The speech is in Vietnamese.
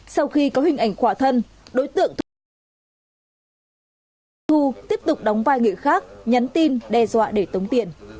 sau khi có hình ảnh khỏa thân đối tượng thuê thu tiếp tục đóng vai người khác nhắn tin đe dọa để tống tiền